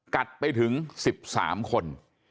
กัดไปถึง๑๓คน